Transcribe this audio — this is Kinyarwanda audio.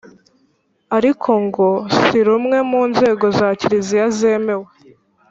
ariko ngo si rumwe mu nzego za kiliziya zemewe